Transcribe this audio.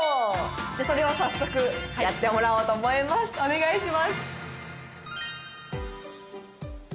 じゃそれを早速やってもらおうと思いますお願いします